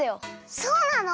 そうなの？